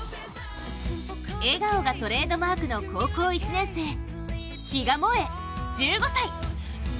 笑顔がトレードマークの高校１年生、比嘉もえ１５歳。